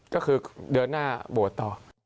ก็คือเดินหน้าบวชต่อ